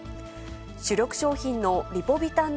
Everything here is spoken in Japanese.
主力商品のリポビタン